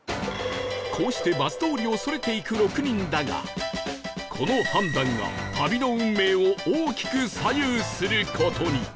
こうしてバス通りをそれていく６人だがこの判断が旅の運命を大きく左右する事に